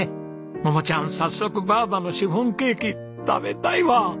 桃ちゃん早速ばぁばのシフォンケーキ食べたいわ。